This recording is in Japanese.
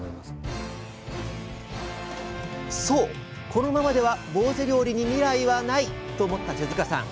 このままではぼうぜ料理に未来はない！と思った手塚さん。